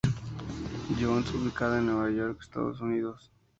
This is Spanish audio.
John's, ubicada en Nueva York, Estados Unidos.